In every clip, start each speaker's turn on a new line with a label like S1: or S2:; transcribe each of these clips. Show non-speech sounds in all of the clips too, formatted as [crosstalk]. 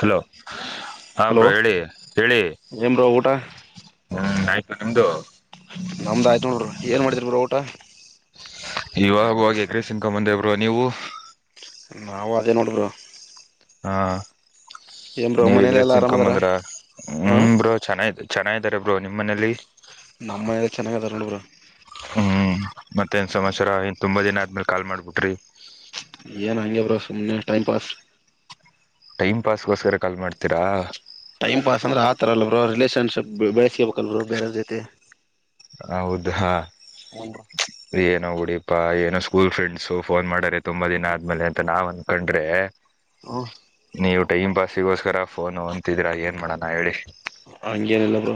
S1: Hello ಹ
S2: hello
S1: bro ಹೇಳಿ ಹೇಳಿ
S2: ಏನ್ ಬ್ರೋ ಊಟ
S1: ಹ್ಮ್ ಆಯ್ತು ನಿಮ್ದು
S2: ನಮ್ದ ಆಯ್ತು ನೋಡರು ಏನ್ ಮಾಡಿದ್ರ ಬ್ರೋ ಊಟ
S1: ರೈಸ್ ತಿನ್ಕೋಬಂದೆ ಬ್ರೋ ನೀವು
S2: ನಾವು ಅದೇ ನೋಡ ಬ್ರೋ
S1: ಹಾ
S2: ಏನ್ ಬ್ರೋ
S1: ನೀವ
S2: ಮನೇಲೆ
S1: ಎಗ್ಗ್ರೈಸ್
S2: ಎಲ್ಲಾ
S1: ತಿನ್ಕೊ
S2: ಆರಾಮದಾರ
S1: ಬಂದ್ರ
S2: ಹ
S1: ಹುಬ್ರೋ ಚೆನ್ನಗಿ ಚೆನ್ನ ಇದಾರೆ ಬ್ರೋ ನಿಮ್ಮ್ ಮನೇಲಿ
S2: ನಮ್ಮನಲ್ಲ ಚೆನ್ನಾಗದಾರ ನೋಡಬ್ರ
S1: ಹ್ಮ್ ಮತ್ತೇನ್ ಸಮಚರ ಎನ್ ತುಂಬಾ ದಿನ ಆದ್ಮೇಲೆ ಕಾಲ್ ಮಾಡ್ಬಿಟ್ರಿ
S2: ಏನ್ ಹಂಗೆ ಬ್ರೋ ಸುಮ್ಮ್ನೆ ಟೈಮ್ ಪಾಸ್-
S1: ಟೈಮ್ ಪಾಸ್ಗೋಸ್ಕರ ಕಾಲ್ ಮಾಡ್ತೀರಾ
S2: ಟೈಮ್ ಪಾಸ್ಂದ್ರೆ ಆತ್ರ್ಲ್ ರಿಲೇಷನ್ ಸ ಬೆಳಸಬೇಕ ಬೇರೆತೆ
S1: ಹೌದ ಹಾ ಏನ ಡೀಪಾ ಏನೋ ಸ್ಕೂಲ್ ಫ್ರೆಂಡ್ಸು ಫೋನ್ ಮಾಡರೆ ತುಂಬಾ ದಿನ ಆದ್ಮೇಲೆ ಅಂತ ನಾವ್ ಅನ್ಕೊಂಡ್ರೆ
S2: ಹ
S1: ನೀವು ಟೈಮ್ ಪಾಸಿಗೋಸ್ಕರ ಫೋನ್ ಅಂತಿದ್ರಾ ಏನು ಮಾಡೋಣಾ ಹೇಳಿ
S2: ಅಂಗೆನಲ್ಲ ಬ್ರೋ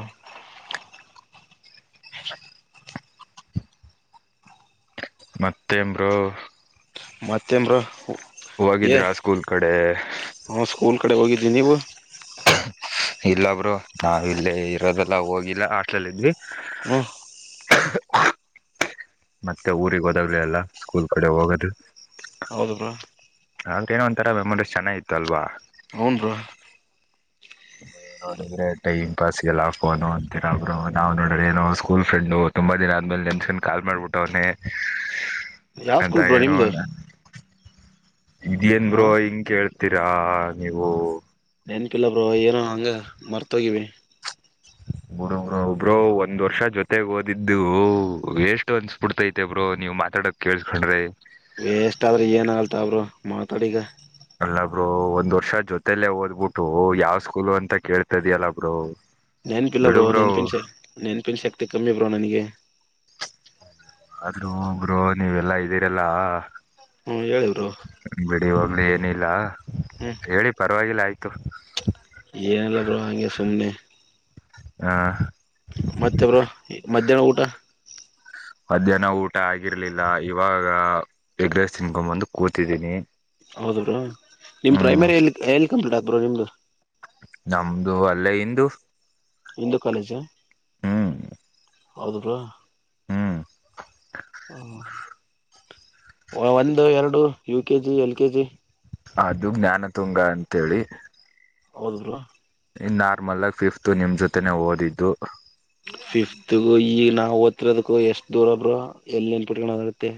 S1: ಮತ್ತೇನಬ್ರೋ
S2: ಮಾಥೇಬ್ರು ಹೆ
S1: ಹೋಗಿದ್ರಾ ಸ್ಕೂಲ್ ಕಡೆ
S2: ಸ್ಕೂಲ್ ಕಡೆ ಹೋಗಿದ್ದೀ ನೀವು
S1: ಇಲ್ಲೊಬ್ರು ನಾವ ಇಲ್ಲ ಇರೋದೆಲ್ಲ ಹೋಗಿಲ್ಲ ಹಾಸ್ಟೇಲಲ್ಲಿ ಇದ್ವಿ
S2: ಹ
S1: ಮತ್ತೆ ಊರಿಗೆಗ್ ಹೋದಾಗ್ಲಿ ಎಲ್ಲ ಸ್ಕೂಲ್ ಕಡೆ ಹೋಗೋದು
S2: ಹೌದೂಬ್ರೋ
S1: ಆದ್ರೆ ಏನೋ ಒಂತರ ಮೆಮೊರೀಸಾ ಚೆನ್ನಗೀ ಇರುತ್ತೆ ಅಲ್ವಾ
S2: ಹ್ಮ್ಮ್ ಬ್ರೋ
S1: ನೋಡುದರೆ ಟೈ ಸ್ ಸಿಗಲ್ಲ ಫೋನು ಅಂತರೊಬ್ರು ನಾವು ನೋಡ್ರ ಏನೋ ಸ್ಕೂಲ್ ಫ್ರೆಂಡು ತುಂಬಾ ದಿನ ಆದ್ಮೇಲೆ ನೆನ್ಸ್ಕೊಂಡ್ ಕಾಲ್ ಮಾಡ್ಬಿಟ್ಟವನನೆ
S2: ಯಾವ
S1: ಅಂತ
S2: ಸ್ಕೂಲ್ ಬ್ರೋ ನಿಮ್ದು
S1: ಹೇಳುವಣ ಇದೇನ್
S2: ಹ
S1: ಬ್ರೋ ಹಿಂಗ ಕೇಳ ಆನತ್ತೀರಾ ನೀವು
S2: ನೆನಪಿಲ್ಲ ಬ್ರೋ ಏನೋ ಹಂಗ ಮರ್ತೋಗಿವಿ
S1: ಬಿಡು ಒಬ್ರೋ ಒಂದ್ ವರ್ಷ ಜೊತೆಗ್ ಓದಿದ್ದು ವೆಷ್ಟು ಅನ್ನಸ್ಬಿಡುತ್ತೆ ಬ್ರೋ ನೀವ್ ಮಾತಾಡಕ್ ಕೇಸ್ಕೊಂಡ್ರೆ
S2: ವೇಷ್ಟ ಆದ್ರೆ ಏನ್ ಆಗಲ್ಲ ತಗೋ ಬ್ರೋ ಮಾತಾಡಿಗ
S1: ಅಲ್ಲ ಬ್ರೋ ಒಂದ್ ವರ್ಷ ಜೊತೇಲ್ಲೇ ಓದ್ಬಿಟ್ಟು ಯಾವ್ ಸ್ಕೂಲ್ ಅಂತ ಕೇಳ್ತ ಇದ್ಯಲ್ಲ ಬ್ರೋ
S2: ನೆನ್ಪಿಲ್ಲ ಬ್ರೋ ನೆನ್ಪಿನ್ಸೆ ನೆನ್ಪಿನ್ ಶಕ್ತಿ ಕಮ್ಮಿ ಬ್ರೋ ನನಗೆ
S1: ಆದ್ರೂ ಬ್ರೋ ನೀವೆಲ್ಲಾ ಇದ್ದೀರೆಲ್ಲಾ
S2: ಹ್ಮ್ ಹೇಳ ಬ್ರೋ
S1: ಅ ಏನಿಲ್ಲ
S2: ಹ್ಮ್
S1: ಹೇಳಿ ಪರ ಪರವಾಗಿಲ್ಲ ಆಯಿತು
S2: ಏನಿಲ್ಲ ಬ್ರೋ ಹಗೆ ಸುಮ್ನೆ
S1: ಹಾ
S2: ಮತ್ತೆ ಬ್ರೋ ಮಧ್ಯಾಹ್ನ ಊಟ
S1: ಮಧ್ಯಾಹ್ನ ಊಟ ಆಗಿರ್ಲಿಲ್ಲ ಇವಾಗ ಎಗ್ರಸ್ ತಿನ್ಕೊ ಬಂದು ಕೂತಿದ್ದೀನಿ
S2: ಹೌದ ಬ್ರೋ ನಿಮ್
S1: ಹ್ಮ್
S2: ಪ್ರೈಮರಿ ಎಲ್ಲಿ ಎಲ್ಲಿ ಕಂಪ್ಲೀಟ್ ಆಯ್ತು ಬ್ರೋ ನಿಮ್ದು
S1: ನಮ್ದು ಅಲ್ಲೇ ಇಂದು
S2: ಇಂದು ಕಾಲೇಜಾ
S1: ಹ್ಮ್
S2: ಹೌದ ಬ್ರೋ
S1: ಹ್ಮ್
S2: ಹ ಒಂದು ಎರಡು ಯು ಕೆಜಿ ಎಲ್ ಕೆಜಿ
S1: ಅದು ಜ್ಞಾನ ತುಂಗ ಅಂತೇಳಿ
S2: ಹೌದು ಬ್ರೋ
S1: ಇ ನಾರ್ಮಲ್ ಆಗ ಫಿಫತ್ ನಿಮ್ ಜೊತೆನೆ ಓದಿದ್ದು
S2: ಫಿಫ್ತ್ಗು ಈಗ ನಾವು ಓದ್ರೋದಕ್ಕು ಎಷ್ಟ್ ದೂರ ಬ್ರೋ ಎಲ್ಲಿನ ನೆನಪಿಟ್ಕೊಳೋಕೆ ಆಗುತ್ತೆ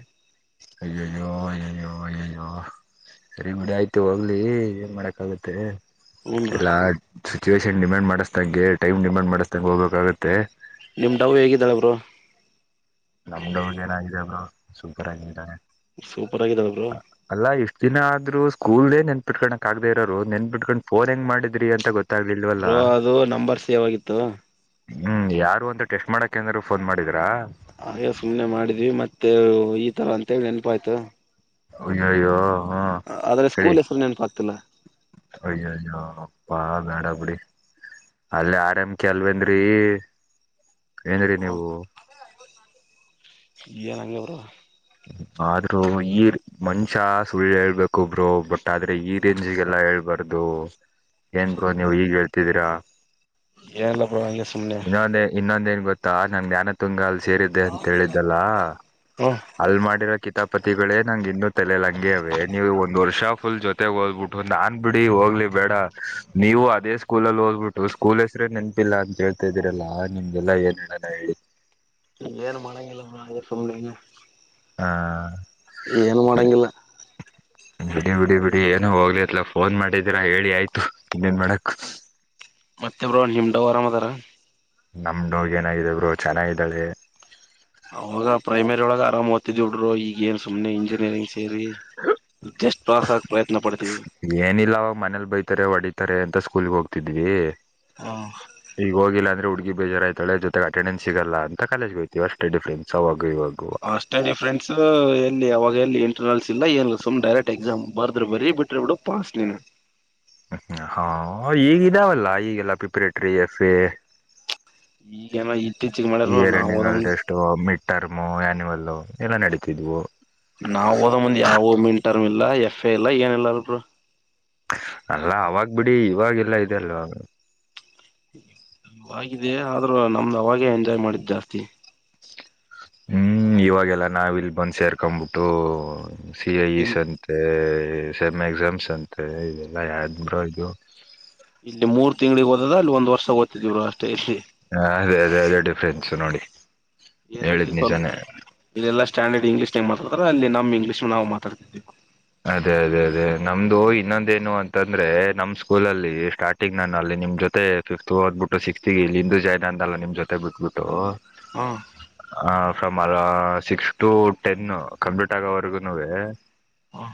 S1: ಅಯ್ಯಯ್ಯೋ ಅಯ್ಯಯ್ಯೋ ಅಯ್ಯಯ್ಯೋ ಸರಿ ಬಿಡಿ ಆಯ್ತು ಹೋಗ್ಲಿ ಏನ್ ಮಾಡಕ್ ಆಾಗತ್ತೆ
S2: ಹ್ಞೂ ಬ್ರೋ
S1: ಎಲ್ಲಾ ಸಿಚುವೇಷನ್ ಡಿಮಂಡ್ ಮಾಡಿಸ್ದಂಗೆ ಟೈಮ್ ಡಿಮಂಡ್ ಮಾಡ್್ದಂಗೆ ಹೋಗ್ಬೇಕಾಗುತ್ತೆ
S2: ನಿಮ್ಮ ಡವ್ ಹೇಗಿದ್ದಾಳಬರು
S1: ನಾಮ್ ಡವ್ ಏನಾಗಿದೆ ಒಬ್ರು ಸೂಪರ್ ಆಗಿದ್ದಾರೆ
S2: ಸೂಪರ್ ಆಗಿದ್ದಾರಬ್ರು
S1: ಇಷ್ಟ್ ದಿನ ಆದ್ರು ಸ್ಕೂಲ್ಲ್ಲೇ ನೆನ್ಪಿಟ್ಕೋಕ್ ಆಗದ ಇರೋರು ನೆನ್ಪಿಟ್ಕೊಂಡ್ ಫೋನ್ ಹೆಂಗ್ ಮಾಡಿದ್ರಿ ಅಂತ ಗೊ
S2: ಬ್ರೋ ಅದು ನಂಬರ್ ಸೇವ್ ಆಗಿತ್ತು
S1: ಹ್ಮ್ ಯಾರು ಅಂತ ಟೆಸ್ಟ್ ಮಾಡಕ ಂದ್ರರು ಫೋನ್ ಮಾಡಿದರಾ
S2: ಹಾಗೆ ಸುಮ್ಮನೆ ಮಾಡಿದ್ವಿ ಮತ್ತೆ ಈ ತರ ಅಂತೇಳಿ ನೆನಪ ಆಯ್ತು
S1: ಅಯ್ಯೋ ಯೋ
S2: ಆದ್ರೆ ಸ್ಕೂಲ್ ಹೆಸರು ನೆನಪು ಆಗ್ತಿಲ್ಲ
S1: ಬಾ ಗಾಡ ಬಿಡಿ ಅಲ್ಲೇ ಆರ್ ಎಂ ಕೆ ಅಲ್ವೇಂದ್ರಿ ಏನ್ ನೀವು
S2: ನಂಗ ಬರ
S1: ಆದ್ರರು ಈ ಮನುಷ ಸುಳ್ಳ ಹೇಳ್ಬೇಕು ಬ್ರೋ ಬಟ್ ಆದ್ರೆ ಈ ರೇಂಜಗೆಲ್ಲಾ ಹೇಳ್ಬಾರ್ದು ಏನ್ ಬ್ರೋ ನೀವ್ ಈಗ್ ಹೇಳ್ತಿದೀರಾ
S2: ಏನಲ್ಲ
S1: ಇನ್ನೊಂದೆ ಇನ್ನೊಂದ ಏನ್ ಗೊತ್ತು ಾ ನಂ್ ಾನ ತುಂಗಲ್ ಸೇರಿದ್ದೆ ಅಂತ ಹೇಳಿದ್ದಲ್ಲ
S2: ಹ್ಮ
S1: ಅಲ್ಲಿ ಮಾಡಿರೋ ಕಿತಾಬ್ ಪತಿಗಳೇ ನಂಗೆ ಇನ್ನು ತಲ ಹಂಗೆವೇ ನೀವು ಒಂದ್ ವರ್ಷ ಫುಲ್ ಜೊತೆ ಮ ಓದ್ಬಿಟ್ಟು ನಾನ್ ಬಿಡಿ ಹೋಗ್ಲಿ ಬೇಡ ನೀವು ಅದೇ ಸ್ಕೂಲಲ್ಲಿ ಓದ್ಬಿಟ್ಟು ಸ್ಕೂಲ್ ಹೆಸ್ರೆ ನೆಪಿಲ್ಲ ಅಂತೇಳಿ ಹತ ಇದೀರಲ್ಲ ನಿಮ್ಗೆಲ್ಲ ಏನ್ ಹೇಳೋಣ ಹೇಳಿ
S2: ಏನು ಮನೆಗೆಲ್ಲ ಅ ಸುಮ್ನೆ ಇಂಗೆ
S1: ಹಾ
S2: ಏನು
S1: ಬಿಡಿ
S2: ಮಾಡಂಗಿಲ್ಲ
S1: ಬಿಡಿ ಬಿಡಿ ಬಿಡಿ ಏನ ಹೋಗ್ಲಿತ್ಲ ಫೋನ್ ಮಾಡಿದರ ಹೇಳಿ ಆಯ್ತು ಇನ್ನೇನ್ ಮಾಡಕ್
S2: ಮತ್ತೆ ಬ್ರೋ ನಿಮ್ದ್ ಆರಾಮ್ ಅದಾರ
S1: ನಮ ಡೋವ್ಯೂ ನೋಗ ಏನಾಗಿದರು ಚೆನ್ನಾಗಿದ್ದಳೆ
S2: ಅವಾಗ ಪ್ರೈಮರಿ ಒಳಗೆ ಆರಾಮ ಓದ್ತಿದ್ಿಡ್ರು ಈಗ ಏನ್ ಸುಮ್ನೆ ಇಂಜಿನಿಯರಿಂಗ್ ಸೇರಿ ಜಸ್ಟ್ ಪಾಸ್ ಆಗ ಪ್ರಯತ್ನ ಪಡ್ತೀವಿ
S1: ಏನಿಲ್ಲ ಅವ ಮನೇಲಿ ಬೈತಾರೆ ಹೊಡ ತ್ತಾರೆ ಅಂತ ಸ್ಕೂಲ್ಿಗೆ ಹೋಗ್ತಿದ್ವಿ
S2: ಹ
S1: ಈಗ ಹೋಗಿಲ್ಲ ಅಂದ್ರೆ ಊಟ ಬಜ ಆಾಯ್ಳ ಜೊತೆ ಅೆಂಡೆನ್ಸ್ ಸಿಗಲ್ಲ ಅಂತ ಕಾಲೇಜಗೆ ಹಯತೀವಿ ಅಷ್ಟ ಡಿಫ್ರೆನ್ಸ್ ಅವಾಗ ಇವಾಗ
S2: ಅಷ್ಟೇ ದಿಫ್ಫ್ರೆಂಸ್ ಎಲ್ಲಿ ಅವಾಗ ಎಲ್ಲಿ ಇಂಟ್ರನಲ್ಸ್ ಇಲ್ಲ ಏನ್ ಸುಮ್ ಡೈರೆಕ್ಟ್ ಎಕ್ಸಾಮ್ ಬರ್ದ್ರೆ ಬರೀ ಬಿಟ್ರೆ ಬಿಡು ಪಾಸ್ ನೀನು
S1: ಹಾ ಈಗ ಇದಾವಲ್ಲ ಈಗೆಲ್ಲ ಪ್ರಿಪರೇಟರಿ ಎಫ ಎ
S2: ಈಗೇನ ಇತ್ತೀಚಿಗೆ ಮಾಡ್ಯಾರ
S1: ಇಯರ್
S2: ನಾವ್
S1: ಎಂಡಿಂಗ್
S2: ಓದೋ
S1: ಅಲಿ
S2: ಮುಂದ
S1: ಟೆಸ್ಟು ಆ್ಯನಿವಲ್ ಎಲ್ಲ ನಡೀತಿದ್ವು
S2: ನಾವ ಓದ ಮುಂದ್ ಯಾವ ಮೀನ್ ಟರ್ಮ್ ಇಲ್ಲ ಎಫ್ ಎ ಇಲ್ಲ ಏನ ಇಿಲ್ಲ ಅಲ್ರು
S1: ಅಲ್ಲ ಅವಾಗ ಬಿಡಿ ಇವಾಗೆಲ್ಲಾ ಇದೆ ಅಲ್ವ
S2: ಾಗಿದೆ ಆದ್ರೂ ನಮ್ದು ಅವಾಗೇ ಎಂಜಾಯ್ ಮಾಡಿದ್ ಜಾಸ್ತಿ
S1: ಹ್ಮ್ ಇವಾಗೆಲ್ಲ ನಾವಿಲ್ ಬಂದ್ ಸೇರ್ಕೊ್ಬಿಟ್ಟು ಸಿ ಐ ಈ
S2: ಇಲ್ಲಿ
S1: ಸಂತೆ ಸೆಮ್ ಎಕ್ಸಾಮ್ಸ್ ಅಂತೆ ಇದೆಲ್ಲ ಯ ಬ್ರ ಇದು
S2: ಅ ಅಲ್ಲಿ ಒಂದ್ ವರ್ಷ ಗೊತ್ತತಿದ್ರು ಅಷ್ಟೇ ಇಲ್ಲಿ
S1: ಹಾ ಅದೇ ಅದೇ ಅದೇ ಡಿಫ್ರೆನ್ಸ್ ನೋಡಿ
S2: ಏನ್ ಇಲ್ಲಿ
S1: ಹೇಳಿದ್
S2: ಸ್ವಲ್ಪ
S1: ನಿಜಾನೇ
S2: ಇಲ್ಲಲ್ಲಾ ಸ್ಟ್ಯಾಂಡ್ ಇಂಗ್ಲಷ್ ಮಾತಾತಾರೆ ಅಲ್ಲಿ ನಮ ಇಂಗ್ಲಷ್ ನಾವು ಮಾತಡ್ತಿದೀವಿ
S1: ಅದೇ ಅದೇ ಅದೇ ನಮ್ದು ಇನ್ನೊಂದೇನು ಅಂತಂದ್ರೆ ನಮ್ ಸ್ಕೂಲಲ್ಲಿ ಸ್ಟಾರ್ಟಿಂಗ್ ನಾನು ಅಲ್ಲಿ ನಿಮ್ ಜೊತೆ ಫಿಫ್ತ್ ಓದ್ಬಿಟ್ಟು ಸಿಕ್ಸ್ತ್ಗೆ ಇಲ್ಲಿಂದು ಜಾಯ್ನ್ ಅಂದಲ್ಲ ನಿಮ್ ಜೊತೆ ಬಿಟ್ಬಿಟ್ಟು
S2: ಹಾ
S1: ಹ ಸ ಮರ ಸಿಕ್ಸ್ ಟು ಟೆನ್ ಕಂಪ್ಲೀಟ್ ಆಗೋವರೆಗುನುವೆ
S2: ಹಾ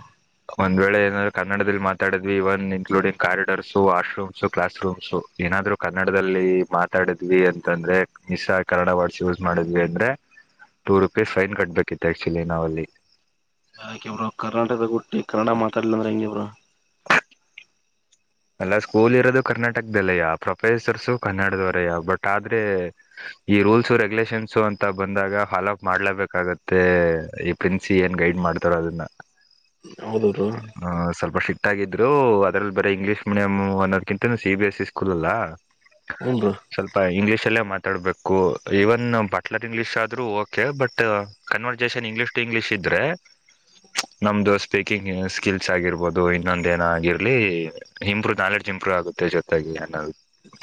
S1: ಒಂದ್ ವೇಳೆ ಏನಾದ್ರರು ಕನ್ನಡದಲ್ಲಿ ಮಾತಾಡಿದ್ವಿ even including corridors washrooms class rooms ಏನಾದ್ರು ಕನ್ನಡದಲ್ಲಿ ಮಾತಾಡಿದ್ವಿ ಅಂತಂದ್ರೆ ಮ್ ಕನ್ನಡ ವರ್ಡ್ಸ್ ಯೂಸ್ ಮಾಡಿದ್ವಿ ಅಂದ್ರೆ ಟೂ ರುಪೀಸ್ ಫೈನ್ ಕಟ್ಬೇಕಿತ್ತು ಆಕ್ಚುಲಿ ನಾವಲ್ಲಿ
S2: ಯಾಕ ಇಬ್ರು ಕರ್ನಾಟಕದ ಹುಟ್ಟಿ ಕನ್ನಡ ಮಾತಾಡ್ಲ ಅಂದ್ರೆ ಹೆಂಗಬ್ರು
S1: ಅಲ್ಲ ಸ್ಕೂಲ್ ಇರೋದು ಕರ್ನಾಟಕದಲ್ಲಯ ಪ್ರೊಫೆಸರ್ಸು ಕನ್ನಡದವರಯ್ಯ ಬಟ್ ಆದ್ರೆ ಈ ರೂಲ್ಸು ರೆಗ್ಯುಲೇಷನ್ಸು ಅಂತ ಬಂದಾಗ ಫಾಲೋ ಅ ಮಾಡ್ಲೇಬೇಕಾಗತ್ತೆ ಈ ಪ್ರಿನ್ಸ ಏನ್ ಗೈಡ್ ಮಾಡ್ತಾರ ಅದನ್ನ
S2: ಹೌದು ಬ್ರೋ ಹ್ಞೂ
S1: ಹ ಸ್ವಲ್ಪ ಸಿಕ್ತ ಹಾಗಿದ್ರು ಅದ್ರಲ್ಲಿ ಬರಿ ಇಂಗ್ಲೀಷ್ ಮೀಡಿಯಂ ಅನ್ನೊದುಕ್ಕಿಂತ C B S E school ಅಲ್ಲಾ
S2: ಬ್ರೋ
S1: ಸ್ವಲ್ಪ ಇಂಗ್ಲಿಷ್ಲ್ಲೇ ಮಾ ತಡಬೇಕು ಈವನ್ ಬಾಟ್ಲರ್ ಇಂಗ್ಲೀಷ್ ಆದ್ರೂ okay but conversation English to English ಇದ್ರೆ ನಮ್ದು ಸ್ಪೀಕಿಂಗ್ ಸ್ಕಿಲ್ಸ್ ಆಗಿರ್ಬೋದು ಇನ್ನೊಂದ ಏನ ಆಗಿರ್ಲಿ ಇಂಪ್ರೂವ್ ನಾಲೆಡ್ಜ್ ಇಂಪ್ರೂವ್ ಆಗುತ್ತೆ ಜೊತೆಗೆ ಅನ್ನೋ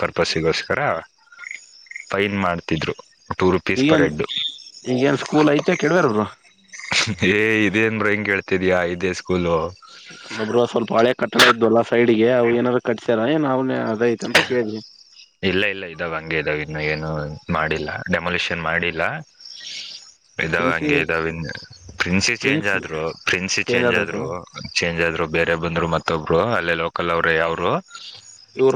S1: ಪರ್ಪಸ್ಗೋಸ್ಕರ ಫೈನ್ ಮಾಡ್ತಿದ್ರು ಟೂ ರುಪೀಸ್ ಪರ್
S2: ಈಗೇನ್
S1: ಹೆಡ್
S2: ಈಗೇನ್ ಸ್ಕೂಲ್ ಐತೆ ಕೆಡಬಾರ
S1: ಏ ಇದೇನು ಡ್ರಾಯಿಂಗ್ ಕೇಳ್ತಿದ್ಯಾ ಇದೇ ಸ್ಕೂಲು
S2: ಮಬ್ರ ಸ್ವಲ್ಪ ಹಳೆ ಕಟ್ಟಡ ಇದ್ದುಲ್ಲಾ ಸೈಡ್ಗೆ ಅವು ಏನಾರೂ ಕಟ್ಸ ನಾವು
S1: ಇಲ್ಲ ಇಲ್ಲ ಇದಾಗ ಗೆನ್ನು ಏನು ಮಾಡಿಲ್ಲ ಡೆಮೊಲಿಷನ್ ಮಾಡಿಲ್ಲ ಇದಾವ
S2: ಪ್ರಿನ್ಸಿ
S1: ಹಂಗೆ ಇದಾವ ಪ್ರಿನ್ಸಿ ಚೇಂಜ್ ಆದ್ರು ಪ್ರಿನ್ಸಿ ಚೇಂಜ್
S2: ಆದ್ರ ಬ್ರೋ
S1: ಆದ್ರು ಚೇಂಜ್ ಆದ್ರು ಬೇರೆ ಬಂದರು ಮತ್ತೊಬ್ರು ಅಲ್ಲೇ ಲೋಕಲ್ ಅವರು ಯಾವರು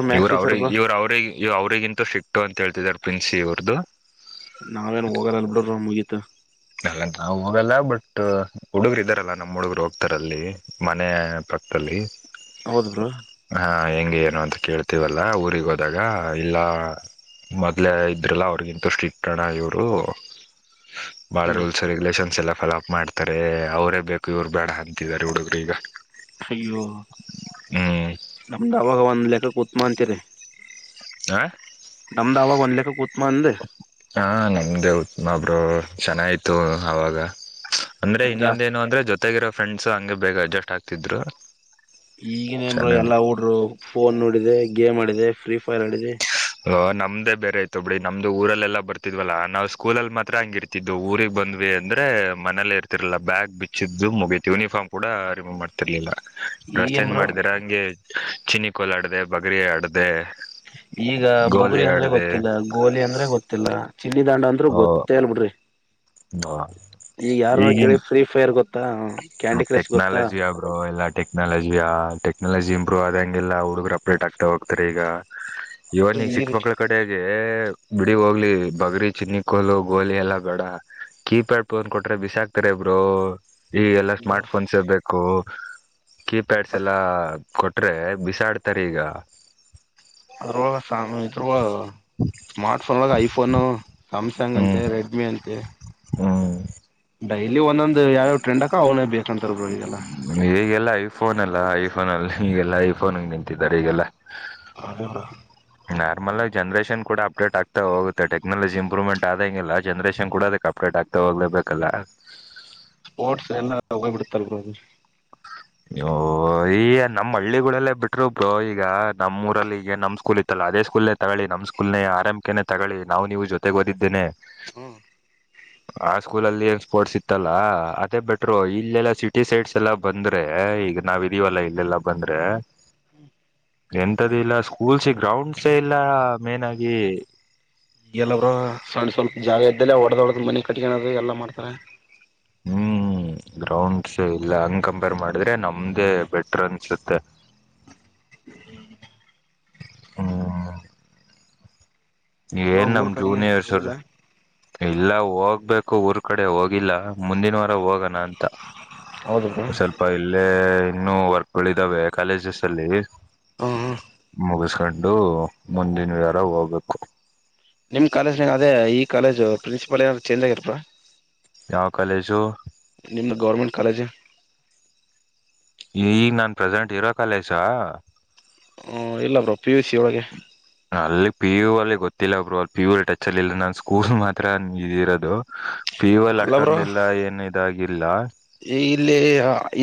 S2: ಮ್ಯಾಕ್ಸ್
S1: ಇವ್ರ ಅವ್ರ
S2: ಟೀಚರ್ ಬ್ರೋ
S1: ಇವ್ರ ಅವ್ರರಿಗೆ ಇವ ಅವ್ರರಿಗಿಂತೂ ಸಿಕ್ ಅಂತ ಹೇಾರೆ ತಡ್ ಪಿನ್ಸಿ ಅವರ್ದು
S2: ನಾವೇನ್ ಹೋಗಾರಲ್ ಬಿಡ್ರ ಮುಗೀತ
S1: ಅಲ್ಲ ನಾವು ಹೋಗಲ್ಲ ಬಟ್ ಹುಡುಗರು ಇದಾರಲ್ಲ ನಮ್ಮ್ ಹುಡುಗರು ಹೋಗ್ತಾರ ಅಲ್ಲಿ ಮನೆ ಪಕ್ಕತದಲ್ಲಿ
S2: ಹೌದು ಬ್ರಾ
S1: ಏನು ಅಂತ ಕೇಳ್ತೀವಲ್ಲ ಊರಿಗೆೋದಾಗ ಇಲ್ಲ ಮೊದಲೇ ಇದ್ರಲ್ಲ ಅವ್ರಗಿಂಥಷ್ಟು ಇಟ್ಟೋಣ ಇವರು ಬಹಳ
S2: ಹ್ಞೂ
S1: ರೂಲ್ಸ್ ರೆಗ್ಯುಲೇಷನ್ ಎಲ್ಲ. ಫಾಲೋ ಅಪ್ ಮಾಡ್ತಾರೆ ಅವರೇ ಬೇಕು ಇವ್ರು ಬೇಡ ಅಂತಿದ್ದಾರೆ ಹುಡುಗರು ಈಗ.
S2: ಅಯ್ಯೋ
S1: ಹ್ಮ್
S2: ನಮ್ದಾವಾಗ ಒಂದ್ ಲೆಕ್ಕ ಕೂ. ಮಂತನೆ.
S1: ಆ.
S2: ನಮ್ದ್ ಅವಾಗ ಒಂದ್ಕ್ಕ ಕೂ.
S1: ಹಾ ನಮ್ದೇ ನಾ. ಒಬ್ರು ಚೆನ್ನಾಯತು ಅವವಾಗ. ಅಂದ್ರೆ
S2: ಜಾಸ್ತಿ
S1: ಇನ್ನೊಂದೇಏನು ಅಂದ್ರೆ ಜೊತೆ. ಗಿರೋ ಫ್ರೆಂಡ್ಸು ಹಂಗೆ ಬೇಗ ಅಡ್ಜಸ್ಟ್ ಆಗ್ತಿದ್ರು.
S2: ಈಗನ್ನ್
S1: ಚೆನ್ನಾಗ್
S2: ಎಲ್ಲಾ ಹಊಡರು ಫೋನ್ ನೋಡಿದೆ. ಗೇಮ್ ಆಡಿದೆ ಫ್ರೀ ಫೈರ್ ಆಡಿದೆ
S1: ್ ನಮ್ದೇ ಬೇರೆ ಯ್ತ ಬಿಡಿ ನಮ್ದು ಊರಲ್ಲ ಬರ್ತ್ಲ್ಲ ನಾವು ಸ್ಕೂಲಲ್ಲಿ ಮಾತ್ರ ಹಂಗಿ ಇರ್ತಿದ್ದ್ ಊರಿಗೆ ಬಂದ್ವಿ ಅಂದ್ರೆ ಮನೇ ಇರ್ತಿರ್ಲಾ ಬ್ಯಾಗ್ ಬಿಚ್ಚಿದ್ದು ಮುಗೀತು ಯೂನಿಫಾರ್ಮ್ ಕೂಡ ರಿಮೂವ್ ಮಾಡ್ತಿರ್ಲಿಲ್ಲ
S2: ಈಗೇನ್
S1: ರಸ್ತೆೇಜ್
S2: ಬ್ರೋ
S1: ಮಾಡಿದರ ಹಂಗೆ. ಚಿನಿಕೋಆಡ್ದೆ ಬಗರಿ ಆಡಿದೆ.
S2: ಈಗ ಬುಗುರಿ ಅಂದ್ರೆ ಗೊತ್ತಿಲ್ಲ ಗೋಲಿ ಅಂದ್ರೆ ಗೊತ್ತಿಲ್ಲ. ಚಿನ್ನ ದಾಂಡ ಅಂದರು
S1: ಓ
S2: ಗೊತ್ತೇ ಅಲ್ ಬಿಡ್ರಿ. ಈಗ ಯಾರನ
S1: ಈಗಿನ್
S2: ಕೇಳಿ ಫ್ರೀ ಫೈರ್ ಗೊತ್ತ. ಗೊತ್ತಾ ಕ್ಯಾಂಡಿ ಕ್ರಶ್ ಗೊತ್ತಾ.
S1: ಟೆಕ್ನಾಲಜಿಯ ಬ್ರೋ ಎಲ್ಲ ಟೆಕ್ನಾಲಜಿಯ ಟೆಕ್ನಾಲಜಿ ಇಂಪ್ರೂವ್ ಆದಂಗಗೆಲ್ಲ ಹುಡುಗರು ಅಪ್ಡೇಟ್ ಆಗ್ತಾ ಹೋಗ್ತಾರೆ ಈಗ. ಇವ ನೀ ಈಗ
S2: ಈ
S1: ಚಿಕ್ಕ
S2: ರೀತಿ
S1: ಮಕ್ಕಳ ಕಡೆ ಆ ಹಾಗೆ. ಎ ಬಿಡಿ ಹೋಗ್ಲಿ ಬಗರಿ ಚಿನ್ನಿ ಕೋಲು ಗೋಲಿ ಎಲ್ಲಾ ಬ್ಯಾಡ ಕೀಪ್ಯಾಡ್ ಫೋನ್ ಕೊಟ್ರೆ ಬಿಸಾಕ್ತಾರೆ ಬ್ರೋ ಈ ಎಲ್ಲಾ ಸ್ಮಾರ್ಟ್
S2: ಅದ್ರೊಳ
S1: ಫೋನ್ಸ್ ಇ ಬೇಕು ಕೀಪ್ಯಾಡ್ಸ್ ಎಲ್ಲ ಕೊಟರೆ ಬಿಸಾಡ್ತಾರೆ ಈಗ.
S2: ಅದ್ರ ಸ್ಾ [unintelligible] ಮಿ ಇದ್ರ. ಸ್ಮಾರ್ಟ್ಫೋನ್ ಐಫೋನು ಸ್ಯಾಮ್ಸಂಗ್ ಅಂತೆ ರೆಡ್ಮಿ ಅಂತೆ.
S1: ಹಾ.
S2: ಡೈಲಿ ಒಂದೊಂದು ಯಾವ ಟ್ರೆಂಡ್ಕ ಅವನೇ ಬೇಕು.
S1: ಹೇಗೆಲ್ಲ ಐಫೋ ಫೋನ್ ಅಲ್ಲ ಐ ಫೋನ್ಅಲ್ಲಿ ಈಗೆಲ್ಲ ಐಫೋನ್ ನಿಂತಿದ್ದಾರೆ ಈಗೆಲ್ಲ.
S2: ಅದೇ ಬ್ರೋ
S1: ನಾರ್ಮಲ್ ಆಗ ಜನ್ರೇಷನ್ ಕೂಡ ಅಪ್ಡೇಟ್ ಆಗ್ತಾ ಹೋಗುತ್ತೆ ಟೆಕ್ನಾಲಜಿ ಇಂಪ್ರೂವ್ಮೆಂಟ್ ಆದ ಹಂಗಿಲ್ಲ ಜನ್ರೇಷನ್ ಕೂಡ ಅದಕ್ಕೆ ಅಪ್ಡೇಟ್ ಆಗ್ತಾ ಹೋಗ್ಲೇಬೇಕಲ್ಲ.
S2: ಸ್ಪೋರ್ಟ್ಸ್ ಎಲ್ಲ ತಗೋ ಬಿಡ್ತಾರ.
S1: ಅಯ್ಯೋ ಈ ನಮ್ಮ ಹಳ್ಳಿಗಳಲ್ಲೇ ಬಿಟ್ರು ಈಗ ನಮ್ಮೂರಲ್ಲಿ ಈಗ ನಮ್ ಸ್ಕೂಲ್ ಇತ್ತಲ್ಲ ಅದೇ ಸ್ಕೂಲ್ನೇ ತಗಳಿ ನಮ್ ಸ್ಕೂಲ್ನ ಆರ್ ಎಂ ಕೆ ತಗೊಳ್ಳಿ ನಾವು ನೀವು ಜೊತೆಗೆ ಓದಿದ್ದೇನೆ ಆ ಸ್ಕೂಲ ಅಲ್ಲಿ ಏನ್ ಸ್ಪೋರ್ಟ್ಸ್ ಇತ್ತಲ್ಲಾ ಅದೇ ಬಿಟ್ರು ಇಲ್ಲೆಲ್ಲಾ ಸಿಟಿ ಸೈಡ್ಸ್ ಎಲ್ಲಾ ಬಂದ ಏ ಈಗ ನಾವ ಇದೀವಲ್ಲ ಇಲ್ಲೆಲ್ಲ ಬಂದ್ರೆ ಎಂತ್ದ ಇಲ್ಲ ಸ್ಕೂಲ್ಸ್ ಗ್ರೌಂಡ್ಸ ಇಲ್ಲ ಮೇನ್ ಆಗಿ
S2: ಎಲ್ಲವರು ಸಣ್ಣ ಸ್ವಲ್ಪ ಜಾಗ ಇದ್ದಲ್ಲ ಹೊಡ್ದ ಹೊಡದ್ ಮನೆ ಕಟ್ಕದು ಎಲ್ಲಾ ಮಾಡ್ತಾರೆ
S1: ಹ್ಮ್ ಗ್ರೌಂಡ್ಸ್ ಇಲ್ಲ ಹಂಗೆ ಕಂಪೇರ್ ಮಾಡಿದ್ರೆ ನಮ್ದೇ ಬೆಟರ್ ಅನ್ಸುತ್ತೆ ಹ್ಮ
S2: ಬ್ರೋ
S1: ಏನ್ ನಮ
S2: ಊರ್ ಕಡೆಗೆ
S1: ಜೂನಿಯರ್ಸ್ರು
S2: ಹೋಗಿಲ್ಲ
S1: ಇಲ್ಲ ಹೋಗ್ಬೇಕು ಊರ್ ಕಡೆ ಹೋಗಿಲ್ಲ ಮುಂದಿನ ವಾರ ಹೋಗೋಣ ಅಂತ
S2: ಹೌದು ಬ್ರೋ
S1: ಸ್ವಲ್ಪ ಇಲ್ಲೇ ಇನ್ನುೂ ವರ್ಕ್ಗಳಿದಾವೆ ಕಾಲೇಜಸ್ ಅಲ್ಲಿ
S2: ಹ್ಮ್ ಹ್ಮ್
S1: ಮುಗೇಶ ದಡ್ಡು ಮುಂದಿನ ವಾರ ಹೋಗಬೇಕು
S2: ನಿಮ್ ಕಾಲೇಜ್ನಾಗ ಅದೇ ಈ ಕಾಲೇಜು ಪ್ರಿನ್ಸಿಪಲ್ ಏನಾದರು ಚೇಂಜ್ ಆಗಿರ ಬ್ರೋ
S1: ಯಾವ ಕಾಲೇಜು
S2: ಕಾಲೇಜ
S1: ಈಗ ನಾನ್ ಪ್ರೆಸೆಂಟ್ ಇರೋ ಕಾಲೇಜಾ
S2: ಹ ಇಲ್ಲ ಬ್ರೋ ಪಿ ಯು ಸಿ ಒಳಗೆ
S1: ಇಲ್ಲ [unintelligible] ಒಬ್ರು ಅಲ್ ಪ್ಯೂರ್ ಟಚ್ ಅಲ್ಲಿ ಇಲ್ಲ ನನ್ ಸ್ಕೂಲ್ಸ್ ಮಾತ್ರ ಇದ ಇರೋದು
S2: ಅಲ್ಲ ಬ್ರೋ ಈ ಇಲ್ಲಿ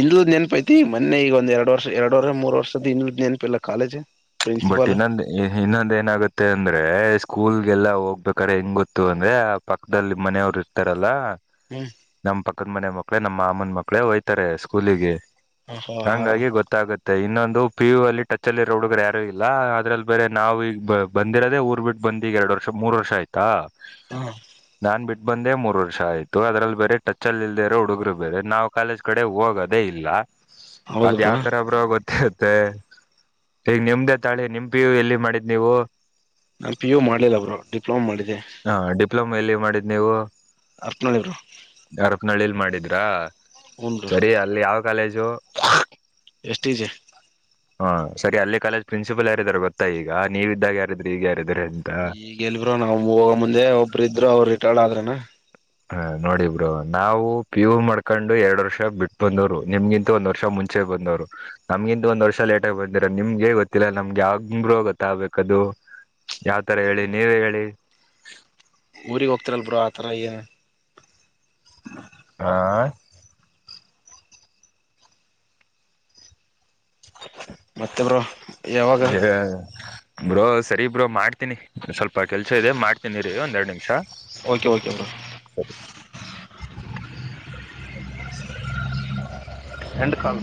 S2: ಇಿಂದ್ ನೆನಪೈತಿ ಮೊನ್ನೆ ಈಗ ಒಂದ ಎರಡು ವರ್ಷ ಎರಡು ವರ್ಷ ಮೂರ್ ವರ್ಷದ್ದ ಇನ್ನು್ ನೆನಪಿಲ್ಲ ಕಾಲೇಜ್
S1: ಬಟ್
S2: ಪ್ರಿನ್ಸಿಪಾಲ್
S1: ಇನ್ನೊಂದ ಇನ್ನೊಂದು ಏನಾಗುತ್ತೆ ಅಂದ್ರೆ ಸ್ಕೂಲ್ಗೆಲ್ಲಾ ಹೋಗ್ಬೇಕ್ರೆ ಹೆಂಗ್ ಗೊತ್ತು ಅಂದ್ರೆ ಆ ಪಕ್ಕದಲ್ಲಿ ಮನೆಯವ್ರು ಇರ್ತಾರಲ್ಲ
S2: ಹ್ಮ್
S1: ನಮ್ಮ್ ಪಕ್ಕದ ಮನೆ ಮಕ್ಕ ಮಕ್ಕಳೇ [unintelligible] ನಮ್ಮ ಮಾಮ್ಮನ ಮಕ್ಕಳೇ ಹಯ್ತಾರೆ ಸ್ಕೂಲಿಗೆ
S2: ಹ
S1: ಹಂಗಾಗಿ ಗೊತ್ತಾಗುತ್ತೆ ಇನ್ನೊಂದು ಇದು ಪಿ ಯು ಅಲ್ಲಿಟಚ್ ಅಲ್ಲಿರ ಹುಡುಗ್ರ ಇಲ್ಲ ಅದ್ರಲ್ಲಿ ಬೇರೆ ನಾವವು ಈಗ ಬಂದಿರದೆ ಊರ್ ಬಿಟ್ಟು ಬಂದ್ ಈಗ ಎರಡು ವರ್ಷ ಮೂರ್ ವರ್ಷ ಆಯ್ತಾ
S2: ಹ
S1: ನಾನ್ ಬಿಟ್ಟ ಬಂದೇ ಮೂರ್ ವರ್ಷ ಆಯ್ತು ಅದ್ರಲ್ಲಿ ಬೇರೆ ಟಚ್ ಅಲ್ಲಿ ಇಲ್ದ ಇರೋ ಹುಡುಗರು ಬೇರೆ ನಾವು ಕಾಲೇಜ್ ಕಡೆ ಹೋಗೋದೇ ಇಲ್ಲ ಅದ್ ಯಾವ್ ತರ ಬ್ರೋ ಗೊತ್ತ [unintelligible] ನಿಮ್ಮ್ [inaudible] ಯಮ [unintelligible] ತಾಳೆ ನಿಂಪಿು ಎಲ್ಲಿ ಮಾಡಿದ್ ನೀವು
S2: ನಾನು ಪಿ ಯು ಮಾಡ್ಲಿಲ್ಲ ಬ್ರೋ ಡಿಪ್ಲೊಮ ಮಾಡಿದೆ
S1: ಡಿಪ್ಲೊಮ ಎಲ್ಲಿ ಮಾಡಿದ್ದ್ ನೀವು
S2: ಬ್ರೋ
S1: ಅರಪನಳ್ಳಿಲ್ ಮಾಡಿದ್ವಿ ದಾ
S2: ಹ್ಮ್ ಬ್ರೋ
S1: ಸರಿ ಅಲ್ಲಿ ಯಾವ ಕಾಲೇಜ್ ಜೊ [unintelligible]
S2: ಎಷ್ಟ [unintelligible] ಈಜಿ
S1: ಹಾ ಸರಿ ಅಲ್ಲೇ ಕಾಲೇಜ್ ಪ್ರಿನ್ಸಿಪಲ್ ಯಾರೆಂದರೆ ಗೊತ್ತ ಈಗ ನೀವ್ದಾಗ ಯಾರಿದ್ರಿ ಈಗ ಯಾರಿದ್ರಿ ಅಂತ
S2: ಈಗ ಎಲ್ಬೋ ನಾವ್ ಹೋಗ [unintelligible] ಮುಂದೆ ಒಬ್ಬರು ಇದ್ರು ಅವ್ರು ರಿಟೈರ್ಡ್ ಆದ್ರನ ಹ
S1: ಹ ನೋಡಿಬ್ರೋ ನಾವು ಪಿ ಯು ಮಾಡ್ಕೊಂಡು ಎರಡ್ ವರ್ಷ ಬಿಟ್ಟ ಬಂದವ್ರು ನಿಮ್ಗಿಂತ ಒಂದ್ ವರ್ಷ ಮುಂಚೆ ಬಂದವ್ರು ನಮ್ಗಿಂತ ಒಂದ್ ವರ್ಷ ಲೇಟ್ಗಿ ಬಂದಿರ ನಿಮ್ಗೆ ಗೊತ್ತಿಲ್ಲ ನಮ್ಗೆ ಬ್ರೋ ಗೊತ್ತಾಗಬೇಕದು ಯಾವ್ತರ ಹೇಳಿ ನೀವೇ ಹೇಳಿ
S2: ಊರಿಗೆ ಹೋಗ್ತಿರಲ್ ಬ್ರೋ ಆತರ ಏನು
S1: ಆಾ ಹಃ
S2: ಮತ್ತೊಬ್ರು ಯಾವಾಗ
S1: ಬ್ರೋ ಸರಿ ಬ್ರೋ ಮಾಡ್ತೀನಿ ಸ್ವಲ್ಪ ಸ್ವಲ್ಪ ಕೆಲ್ಸ ಇದೆ ಮಾಡ್ತೀನಿ ರೀ ಒಂದೆರಡು ನಿಮಿಷ
S2: ಓಕೆ ಓಕೆ ಬ್ರೋ
S1: ಸರಿ
S2: [unintelligible]
S1: [inaudible]
S2: ಎಟುಕಲು